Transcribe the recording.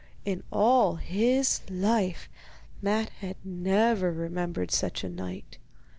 In all his life Matte had never remembered such a night.